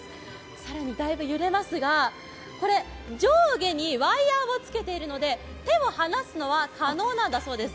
更にだいぶ揺れますが、上下にワイヤーをつけているので手を離すのは可能なんだそうです。